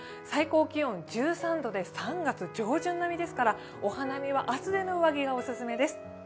最高気温１３度で３月上旬並みですからお花見は厚手の上着がオススメです。